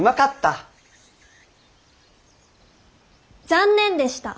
残念でした。